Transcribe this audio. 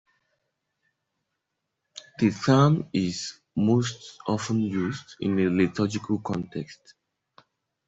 The term is most often used in a liturgical context.